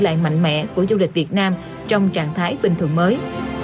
lại mạnh mẽ của du lịch việt nam trong trạng thái bình thường mới